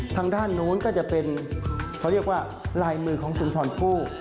ทางด้านนู้นก็จะเป็นเขาเรียกว่าลายมือของสุนทรผู้